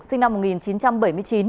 sinh năm một nghìn chín trăm bảy mươi chín